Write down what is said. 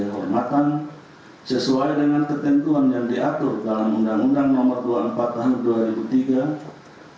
kehormatan sesuai dengan ketentuan yang diatur dalam undang undang nomor dua puluh empat tahun dua ribu tiga